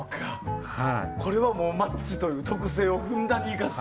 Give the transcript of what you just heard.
これはマッチという特性をふんだんに生かした。